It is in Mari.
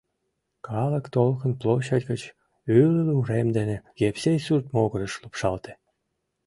Калык толкын площадь гыч Ӱлыл урем дене Евсей сурт могырыш лупшалте.